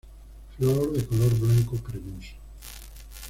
Flor de color blanco cremoso.